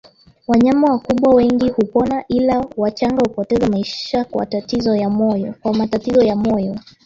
Wanyama wakubwa wengi hupona ila wachanga hupoteza maisha kwa matatizo ya moyo